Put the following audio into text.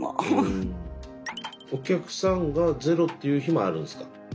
お客さんがゼロっていう日もあるんですか。